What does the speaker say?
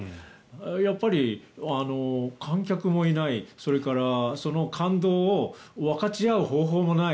やっぱり、観客もいないそれからその感動を分かち合う方法もない